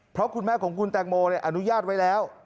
เพราะคุณแม่ของคุณแตงโมอนุญาตไว้แล้ว